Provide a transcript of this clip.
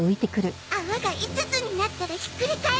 泡が５つになったらひっくり返す！